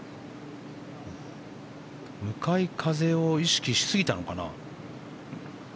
向かい風を意識しすぎたのかな？